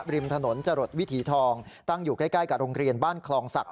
ริมถนนจรดวิถีทองตั้งอยู่ใกล้กับโรงเรียนบ้านคลองศักดิ